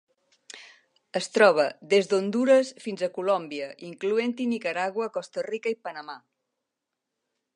Es troba des d'Hondures fins a Colòmbia, incloent-hi Nicaragua, Costa Rica i Panamà.